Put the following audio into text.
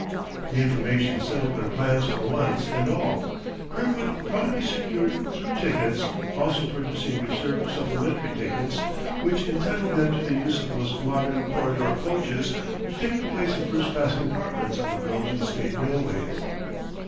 The information settled their plans for once and all; Kirkwood promptly secured through tickets, also purchasing "Reserve" supplementary tickets which entitled them to the use of those modern corridor coaches which take the place of first class compartments on the Belgian state railways.